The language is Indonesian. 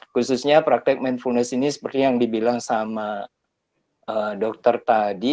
khususnya praktek mindfulness ini seperti yang dibilang sama dokter tadi